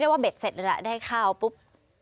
ไม่ขาวใช่มั้ยครับ